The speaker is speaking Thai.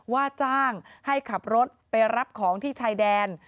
ว่าจ้างให้ขับรถไปรับของที่ชายแดน